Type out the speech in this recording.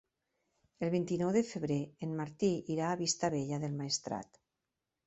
El vint-i-nou de febrer en Martí irà a Vistabella del Maestrat.